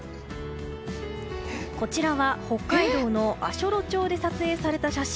こちらは北海道の足寄町で撮影された映像。